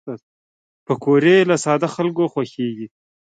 پکورې له ساده خلکو خوښېږي